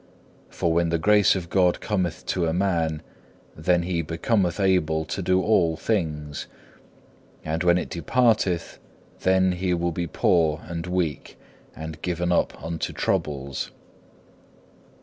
For when the grace of God cometh to a man, then he becometh able to do all things, and when it departeth then he will be poor and weak and given up unto troubles.